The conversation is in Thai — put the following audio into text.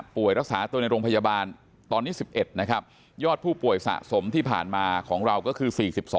ป่วยรักษาตัวในโรงพยาบาลตอนนี้๑๑นะครับ